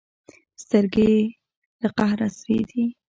سترګې یې له قهره سرې دي.